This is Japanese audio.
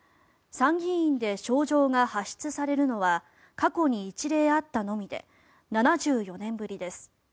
参議院で招状が発出されるのは過去に一例あったのみで７４年ぶりです。